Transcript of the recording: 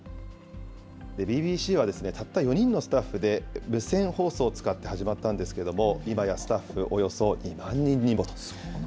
ＢＢＣはたった４人のスタッフで無線放送を使って始まったんですけれども、今やスタッフおよそ２万人にもと。